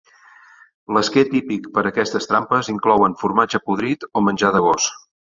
L'esquer típic per a aquestes trampes inclouen formatge podrit o menjar de gos.